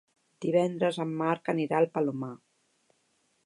Divendres en Marc anirà al Palomar.